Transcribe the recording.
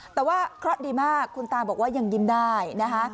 แต่ว่าเคราะห์ดีมากคุณตาบอกว่ายังยิ้มได้นะคะ